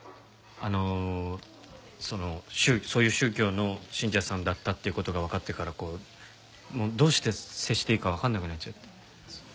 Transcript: あのそのそういう宗教の信者さんだったっていう事がわかってからこうどうして接していいかわかんなくなっちゃって。